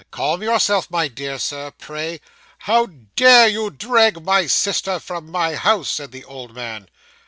Calm yourself, my dear sir, pray ' 'How dare you drag my sister from my house?' said the old man.